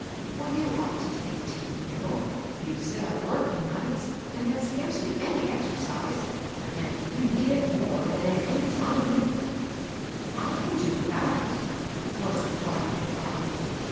For you ought to take tea, Mabel ; you sit up working nights, and have scarcely any exercise, and you need it more than at any time yet." " I can do without it," was the quiet reply.